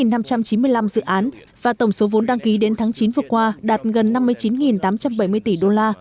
nhật bản đã đạt được một năm trăm chín mươi năm dự án và tổng số vốn đăng ký đến tháng chín vừa qua đạt gần năm mươi chín tám trăm bảy mươi tỷ đô la